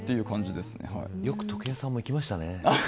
よく時計屋さんも行きましたね。